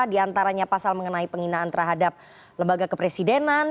diantaranya pasal mengenai penghinaan terhadap lembaga kepresidenan